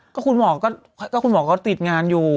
ก็คุณหมอก็ติดงานอยู่